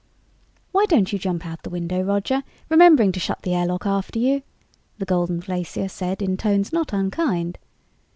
"Why don't you jump out the window, Roger, remembering to shut the airlock after you?" the Golden Glacier said in tones not unkind.